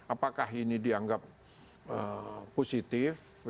apakah ini dianggap positif